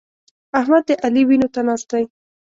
احمد د علي وينو ته ناست دی.